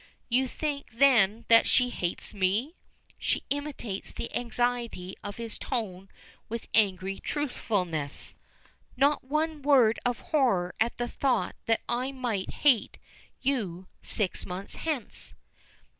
'You think then that she hates me'?" (She imitates the anxiety of his tone with angry truthfulness.) "Not one word of horror at the thought that I might hate you six months hence."